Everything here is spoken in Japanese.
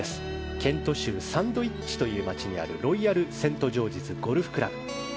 ケント州サンドウィッチという場所にあるロイヤルセントジョージズゴルフクラブ。